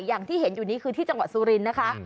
อย่างที่เห็นอยู่นี้คือที่จังหวัดสุรินทร์นะคะ